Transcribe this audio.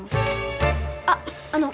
あっあの。